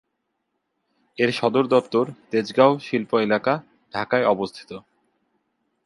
এর সদরদপ্তর তেজগাঁও শিল্প এলাকা, ঢাকায় অবস্থিত।